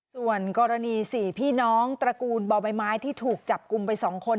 ส่วนกรณี๔พี่น้องตระกูลบ่อใบไม้ที่ถูกจับกลุ่มไป๒คน